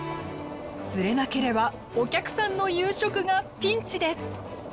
釣れなければお客さんの夕食がピンチです。